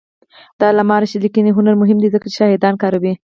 د علامه رشاد لیکنی هنر مهم دی ځکه چې شاهدان کاروي.